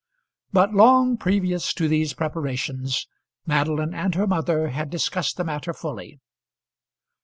But long previous to these preparations Madeline and her mother had discussed the matter fully.